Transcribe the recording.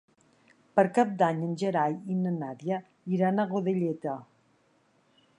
Per Cap d'Any en Gerai i na Nàdia iran a Godelleta.